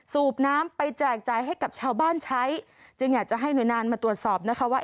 สูบน้ำไปแจกจ่ายให้กับชาวบ้านใช้จึงอยากจะให้หน่วยงานมาตรวจสอบนะคะว่า